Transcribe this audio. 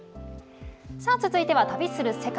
続いては「旅する世界」。